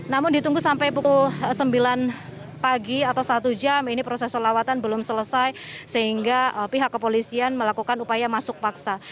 namun ditunggu sampai pukul sembilan pagi atau satu jam ini proses lawatan belum selesai sehingga pihak kepolisian melakukan upaya masuk paksa